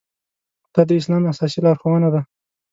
دا د اسلام اساسي لارښوونه ده.